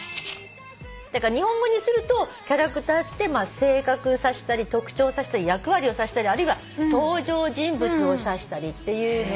日本語にすると「キャラクター」って「性格」指したり「特徴」指したり「役割」を指したりあるいは「登場人物」を指したりっていうので。